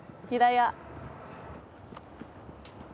平屋。